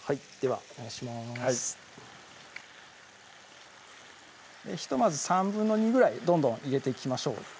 はいひとまず２／３ぐらいどんどん入れていきましょう